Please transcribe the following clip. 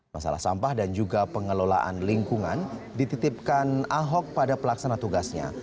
masalah sampah dan juga pengelolaan lingkungan dititipkan ahok pada pelaksana tugasnya